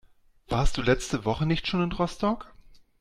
Warst du letzte Woche nicht schon in Rostock?